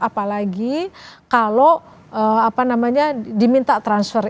apalagi kalau apa namanya diminta transfer